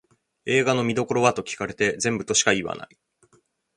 映画の見どころはと聞かれて全部としか言わない